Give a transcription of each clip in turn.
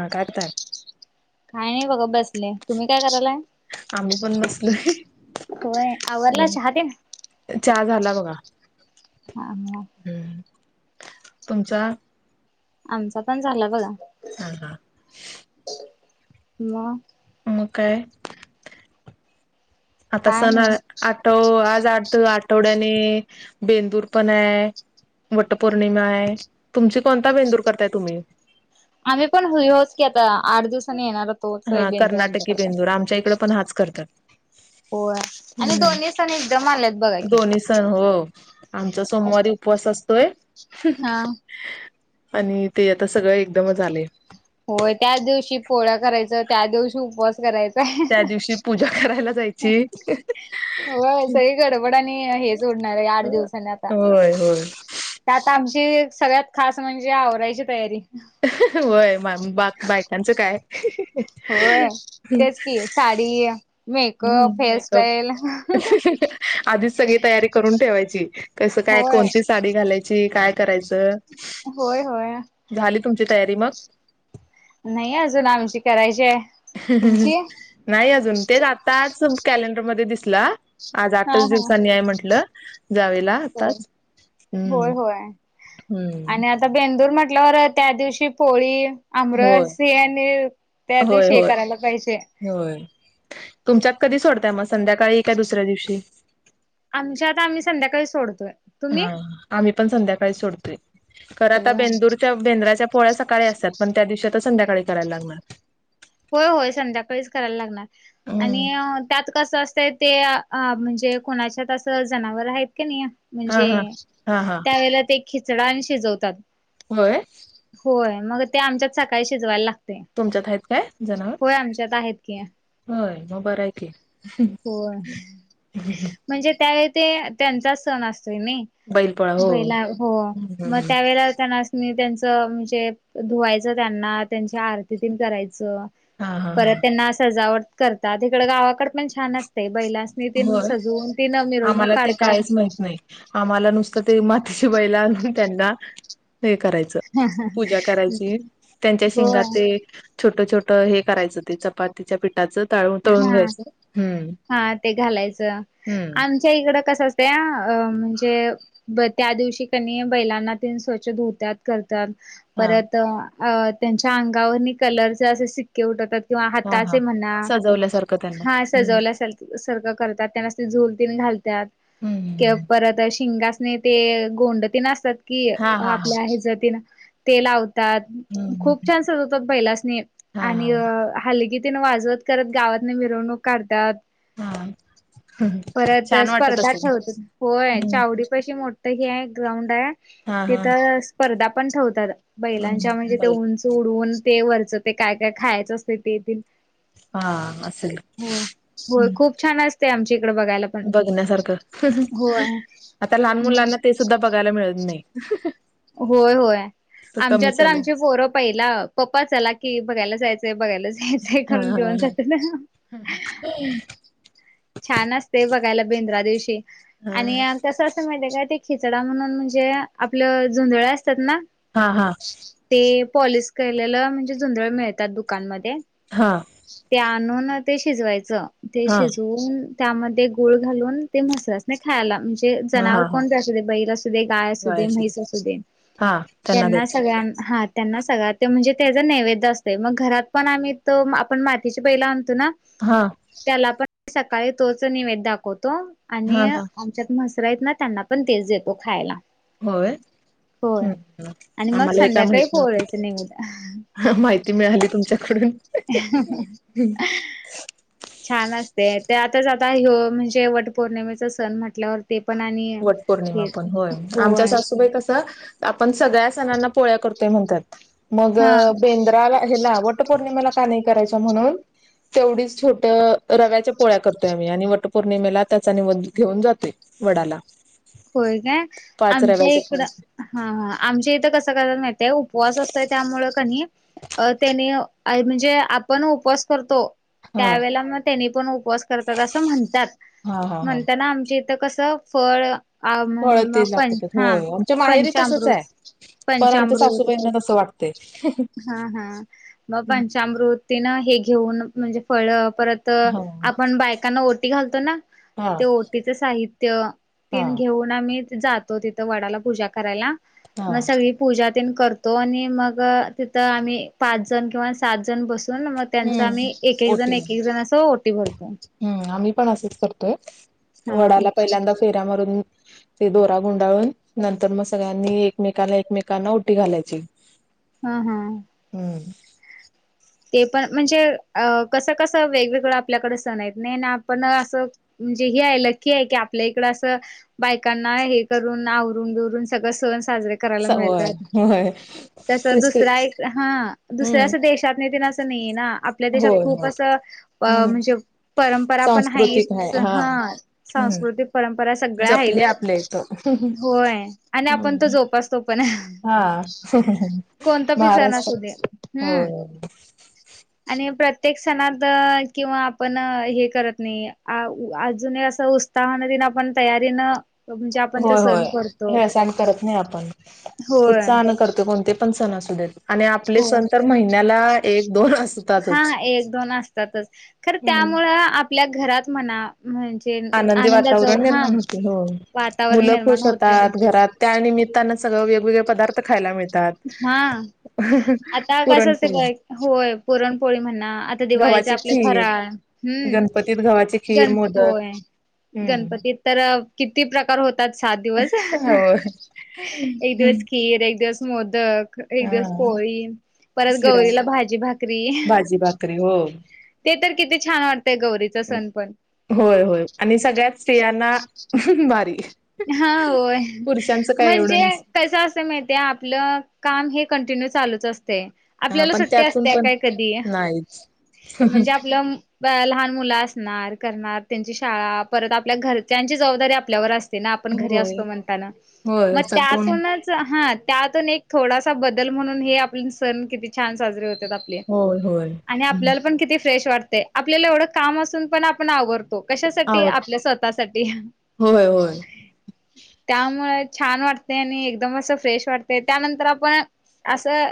हा कट कर. काय नाही बघा बसले तुम्ही काय करायलाय. आम्ही पण बसलोय ही होय आवरला चहा तेन? चहा झाला बघा. हा हा. हम्म तुमचा चहा? आमचा पण झाला बघा. हा हा. मग मग काय आता काय सण अ नाही. आठव आज आठव आठवड्याने बेंदूर पण आहे वटपौर्णिमा आहे तुमची कोणता बेंदूर करताय तुम्ही आम्ही पण हे हेच की आता आठ दिवसांनी येणारा तोच बेंदूर आमच्याकडे पण इकड पण हाच करतात हो हाच हम्म दोन्ही सण हो आमचा सोमवारी उपवास असतोय हम हम हा. आणि ते आता सगळें एकदमच आलय होय त्याच दिवशी पोळ्या करायचं त्या दिवशी उपवास करायच त्या दिवशी पूजा करायला जायची होय ह ह ह सगळी गडबड आणि हेच होणार आहे आठ दिवसानी आता होय होय आमची ती एक सगळ्यात खास म्हणजे आवरायची तयारी अह ह ह होय मग आम्ही बा बायकांचं काय ह. ह. होय तेच की साडी हम्म मेकअप मेकअप हेअरस्टाईल ही ही ही आधीच सगळी तयारी करून ठेवायची कसं काय होय कोणती साडी घालायची काय करायचं होय होय झाली तुमची तयारी मग नाही अजून आमची करायची आहे अह ह ह तुमची नाही अजून तेच आताच कॅलेंडरमध्ये दिसला आज हा आठच हा दिवसांनीय म्हटलं जावेला हो आताच हम्म होय होय हम्म आणि आता बेंदूर म्हटल्यावर त्या दिवशी पोळी होय आमरस हे आणि त्या होय दिवशी हे होय करायला पाहिजे होय तुमच्यात कधी सोडताय मग संध्याकाळी का दुसऱ्या दिवशी आमच्यात आम्ही संध्याकाळीच सोडतोय हा तुम्ही आम्ही पण संध्याकाळी सोडतोय खर आता होय बेंदूरच्या बेंद्राच्या पोळ्या सकाळी असत्यात पण त्या दिवशी आ ता संध्याकाळी करायला लागणार होय होय संध्याकाळीच करायला लागणार आणि त्यात कसं असतंय ते आ म्हणजे जे कोणाच्यात असं जनावर आहेत कणी हा म्हणजे हा हा हा त्यावेेळेला ते खिचडा आणि शिजवतात होय होय मग ते आमच्यात सकाळी शिजवायला लातते तुमच्यात हाईत काय जनावर आहेत की व्हय मग बरं आहे की हम् होय हम म्हणजे त्यावेळी ते त्यांचाच सण असत म बैलपोळा हो बला हो हम्म हम्म मग हम्म. त्यावेळे त्यांच म्हणजे धुवायच त्यांना त्यांच्या आरतीती करायचं हा हा हा परत त्यांना सजावट करतात तिकड गावाकड पण छान असते बैलासनी ती होय सजवून ती आम्हाला ते कायच माहित नाही आम्हाला नुसतं ते मातीच्या बैला आणून त्यांना हे करायचं पूजा करायची त्यांच्या शिंगात होय ते छोट छोट हे करायचं ते चपातीच्या प ताच तळून तळून हा घ्यायचं हम्म हम्म इकड कस असत म्हणजे त्या दिवशी क बैलांना त स्वच्छ धुत्या कर हा परत त्यांच्या अंगावर कलर असे सिक्के उठवतात किंवा हा हा हाताचे म्हणा सजवल्यासारखं त्यांना हा हम्म सजवला सारखं करतात त्यांना झोल घालतात किंवा हम्म परत शिंगासणे ते गोंडतीन असतात कि हा हा हा आपल्या ह जतीन ते लाव - तात खुप हम्म छान सजवतात बैलास्नी हा हा आणि हलगी तेन वाजवत करत गावातन मिरवणूक काढतात हा परत छान वाटत स्पर्धा असेल ठेवतात होय हम्म चावडी पशी मोठ् हे एक ग्राउंड आहे हा हा तिथं स्पर्धा पण ठेवतात बैलांच्या हम्म म्हणजे ते बाई उंच उडवून ते वरचं ते काय काय खायचं असतय ते तेन हा असेल हो होय हं. खूप छान अस बघण्यासारखं होय [unintelligible] आता लहान मुलांना मग ते सुद्धा बघायला मिळत नाही होय होय कमी आमच्या तर चालेल आमचे पोरं पहिला पप्पा चला की बघायला जायचंय - बघायला जायचय हा करून हा घेऊन [unintelligible] छान असते बघायला बेंद्रा दिवशी हा आणि कसं असं माहितय का ते - - खिचडा म्हणून म्हणजे आपलं झुंधळ असतात ना हा हा हा ते पॉलिश केलं म्हणजे झुंधळ मिळतात दुकानमध्ये हा त्या म्हणून ते शिजवायचं ते शिजवून त्यामध्ये गुळ घालून ते म्हसरास्नी खायला म्हजे - हा हा जनावर हा कोण बी असु दे बैल असु दे गाय असू दे गायची म्हैस असु हा त्यांना यांना द्यायची सगळ्यां हा त्यांना सगळं ते म्हणजे त्याज नैवेद्य असतय मग घरात पण आम्ही तो आपण मातीची बैल आण अणतो ना हा त्याला पण सकाळी तोच निवेद दाखवतो आणि हा हा आमच्यात म्हसरा य ना त्यांना पण तेच देतो खायला होय होय हम् आणि मग आम्हाला हे काय संध्याकाळी माहित पोळ्याच नैवेद्य नव्हत माहिती मिळाली तुमच्याकडून [unintelligible] छान असते ते आताच आता ह्यो म्हणजे वट पौर्णिमेचा सण म्हटल्यावर ते पण आणि वट पौर्णिमा हे पण होय आमच्या सासूबाई कस आपण सगळ्या सणांना पोळ्या करतोय म्हणतात मग हा बेंद्राला हेला वट पौर्णिमेला का नाही करायच म्हणून - तेवढीच छोट रव्याच्या पोळ्या करतोय आम्ही आणि वटपौर्णिमेला त्याचा निवध घेऊन जातोय वडाला होय काय पाच आमच्या रव्याच्या इकडं पोळ्या हा आमच्या इथं कस करत्यात महीताय उपवास असत त्यामुळे कणी अ त्यानी म्हणजे आपण उपवास करतो हा त्यावेळे मग त्यानी पण - उपवास करतात असं म्हणतात हा हा हा म्हणताना आमच्या इथं कसं फळ - आ फळ म्ह ते मग दाखवतात पंम होय आमच्या माहेरी तसच पंचामृत आहे. पण आमच्या पंचामृत सासूबाईंना तसं वाटतंय. हा हा मग पंचामृती ना हे घेऊन म्हणजे फळ - परत हा आपण बायकांना ओटी घालतो ना हा ते ओटीच साहित्य हा तेन घेऊन आम्ही जातो तिथ वडाला पूजा करायला हा मग सगळी पूजा - तेन करतो आणि मग तिथं आम्ही पाच जण किंवा सात जण बसतो [unintelligible] मग त्यांचा हम्म आम्ही एक एक जण एक एक जण अस ओटी भरतो हम् आम्ही पण असंच करतोय हा वडाला पहिल्यांदा फेऱ्या मारून ते दोरा गुंडाळून नंतर मग सगळ्यांनी एकमेकाला एकमेकांना ओटी घालायची हा हा [inaudible] ते पण म्हणजे अ कस कस वेगवेगळं आपल्याकडे सण आहेत नाही आपण असं म्हणजे हे लकी आहे की आपल्या इकड अस बायकांना हे करून आवरून बिवरून सगळं सण साजरे करायला होय मिळतात होय तस तेच ते दुसरा एक हा दुसर्या हम्म असं देशात नी तेन असं नाहीय ना आपल्या देशात होय खूप होय असं अ हम्म म्हणजे परंपरा पण सांस्कृतिक आहे हाइत हा ह हम्म सांस्कृतिक परंप रा सगळ्या जपले आहेत आपल्या इथं होय आणि आपण तो जोपासतो पण हा कोणता पि सण असू महाराष्ट्रात दे हम्म [unintelligible] आणि प्रत्येक सणात किंवा आपण हे करत नाही अजून अस. ह आपण तयारीन. म्हणजे आपण तर होय सण होय करतो हे सण करत नाही आपण होय. उत्साहानं करतो कोणते पण सण असू देत आणि आपले हो सण तर महिन्याला एक दोन हा असतातच. एक दोन असतातच खर त्या हम्म त्यामुळे आपल्या घरात म्हणा म्हण. आनंदी वातावरण निर्माण होते हो वातावरण मुलं निर्माण खुश होते होतात घरात त्या निमित्ताने सग वेगळे पदार्थ खायला मिळ हा. आता कसं असते पुरणपोळी, काय होय पुरणपोळी म्हणणा आता दिवाळीचे गव्हाची आपले खीर, फराळ हम्म गणपतीत गव्हाची खीर, जण मोदक होय. हम्म गणपतीत तर किती प्रकार होतात सात दिवस होय एक दिवस खीर एक दिवस मोदक एक दिवस हा पोळी परत शिरा गौरीला भाजी भाकरी भाजी भाकरी हो. ते तर किती छान वाटत. होय होय आणि सगळ्यात स्त्रियांना भारी हा होय पुरुषांचं काय एवढं म्हणजे नस कस असं माहित आपलं काम हे. कंटिन्यू चालूच असतं हा आपल्याला पण सुट्ट्या त्यातून असत्या पण काय कधी नाहीच म्हणजे आपलं. लहान मुलं असणार करणार त्यांची शाळा परत आपल्या घर त्यांची जबाबदारी आपल्यावर असते. ना आपण घरी होय असतो म्हणताना मग होय सगून त्यातूनच हा. त्यातून एक थोडासा बदल म्हणून हे आपले सण किती छान साजरे होते. होय होय. आणि आपल्याला पण किती फ्रेश वाटते आपल्याला एवढं काम असून पण आपण आवरतो. तो कशासाठी आवड आपल्या स्वतःसाठी होय होय. त्यामुळे छान वाटते आणि एकदम अस फ्रेश वाटते त्यानंतर आपण असं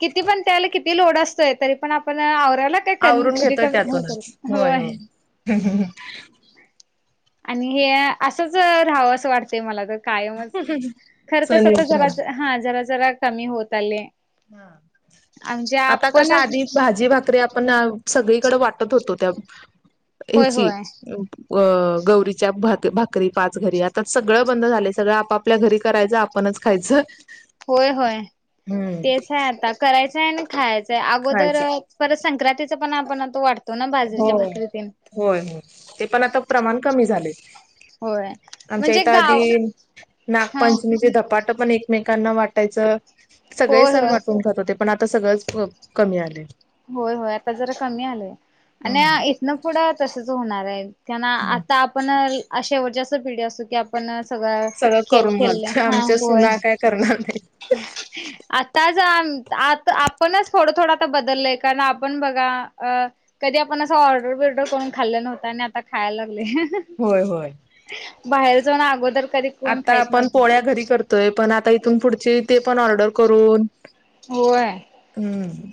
किती पण त्या किती लोड असतो त पण आपण कराला का आवरून कधी क घेतोय का कर त्यातूनच होय. आणि हे असंच रावं असं वाटतंय मला तर कायमच खर तरच आता स्वनिर्मित राहणं. जरा हा जरा जरा कमी होत आले. म्हणजे आता कस आधी आपणच भाजी भाकरी आपण सगळी कड वाटत होतो होय त्याहची होय अ गौरीच्या भाक भाकरी पाच घरी आता सगळं बंद झाले सगळं आपापल्या घरी करायचं आपण खायचं. होय होय हम्म तेच आहे आता करायचं आहे आणि खायचं. अगोदर खायचं परत संक्रांतीचा पण आपण वाटतो. ना हो बाजरीच्या भाकरी तेन होय हो ते पण आता प्रमाण कमी झाले. होय आमच्या म्हणजे इथं गाव आधी हा नागपंचमीचे धपाट पण एक एकमेकांना वाटायचं सगळे होय होय सण वाटून जात होते पण आता सगळंच कमी आले. होय होय आता जरा कमी आलंय आणि हम्म इथनं पुढं तसच होणार आहे. त्यांना आता आपण अशेवटच्या अस पिढी असू की आपण सगळ सगळं खेळ करून खेळल्या घालतोय हा आमच्या होय सुना काय करणार नाहीत. आ. त्या आता आपणच थोडं थोडं आता बदललं. आपण बघा कधी आपण अस ऑर्डर बिडरून खाल्लं नव्हतं आणि आता खायला. लागले होय होय. बाहेर जाऊन अगोदर कधी कोण आता खायत आपण नव्हत. पोळ्या घरी करतोय पण आता इथून पुढचे ते पण ऑर्डर करून होय. हम्म.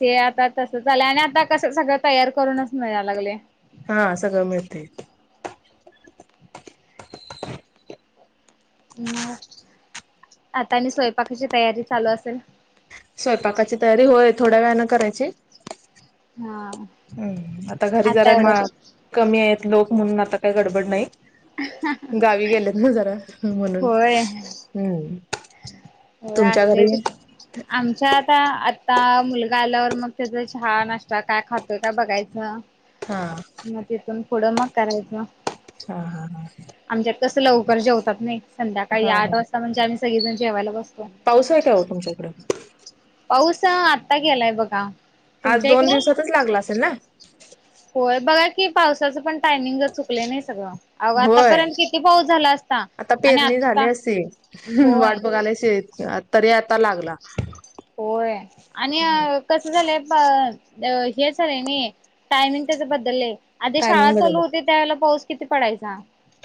ते आता तस लं आणि आता कसं सगळं तयार करूनच मिळाय लागले. हा सगळं मिळते. म आता आणि स्वयंपाकाची तयारी चालू असेल. स्वयंपाकाची तयारी होय थोड्या वेळने करायची. हा. हम् आता घरी जरा कमी आहेत लोक म्हणून आता काही गडबड नाही. गावी गेलेत ना जरा म्हणून हम्म. हो तुमच्या घरी असतेच आमच्या आता आता मुलगा आल्यावर मग त्याचा छहा नाश्ता काय खातोय काय बघायचं. हा. मग तिथून पुढं मग करायचं मग हा हा हा. तसं लवकर जेवतात नाही संध्याकाळी हा आठ हा वाजता म्हणजे आम्ही सगळीजण जेवायला बसतो. पाऊस आहे काय हो तुमच्याकडं? पाऊस आत्ता गेलाय बघा. आज तुमच्या दोन इकडं? दिवसातच लागला असेल ना. होय बघा की पावसाचं पण टायमिंग चुकले नाही सगळं. अग होय आतापर्यंत किती पाऊस झाला असता आता आणि पेरणी झाली आता असेल होय. वाट बघायला शेत तरी आता लागला. होय आणि कस झालंय प हेच र आहे नाही टायमिंग त्याच्याबद्दल आहे आधी शाळा टायमिंग चालू बदल होते त्यावेळेला पाऊस. किती पडायचा.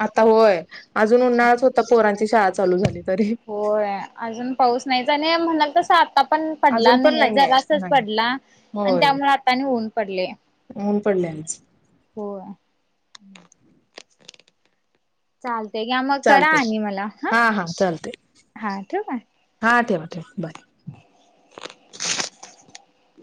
आता होय अजून उन्हाळळाच होता पोरांची शाळा चालू झाली. तरी होय अजून पाऊस नाहीच आणि म्हणलातस आता पण पडला अजून पण नाही जगास आहे नाही पडला आणि होय त्यामुळे आता नि होऊन पडले. फडना्स हो. हम्म. चालतेय कि मग करा चालते आणि मला हा हा ठ आहे. हा ठेवा ठेवा बाय [unintelligible]